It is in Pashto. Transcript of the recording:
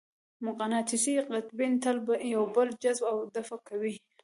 مقناطیسي قطبین تل یو بل جذب او دفع کوي.